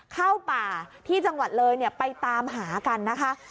เข้าป่าที่จังหวัดเลยไปตามหากันนะคะ